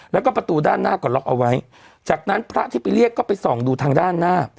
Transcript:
แล้วก็ประตูด้านหน้าก็ล็อกเอาไว้จากนั้นพระที่ไปเรียกก็ไปส่องดูทางด้านหน้า